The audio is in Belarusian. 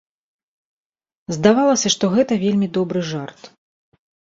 Здавалася, што гэта вельмі добры жарт.